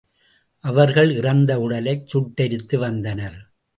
அவர்கள் இறந்த உடலைச் சுட்டெரித்து வந்தனர்.